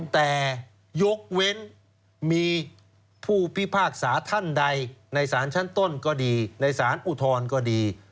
แต่ยกเว้นมีผู้พิพากษาท่านใดในสารชั้นต้นก็ดีในสารอุทธรณ์ก็ดี